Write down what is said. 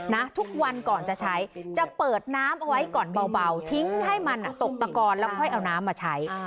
ทุกวันก่อนจะใช้จะเปิดน้ำเอาไว้ก่อนเบาทิ้งให้มันตกตะกอนแล้วค่อยเอาน้ำมาใช้